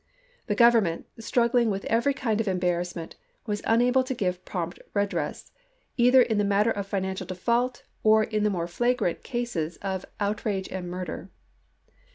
The Government, struggling with every kind of embarrassment, was unable to give prompt redress, either in the matter of financial default or in the more flagi ant cases of outrage and murder.